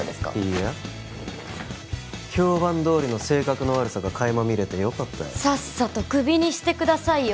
いいや評判どおりの性格の悪さがかいま見れてよかったよさっさとクビにしてくださいよ